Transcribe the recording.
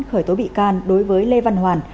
khởi tố bị can đối với lê văn hoàn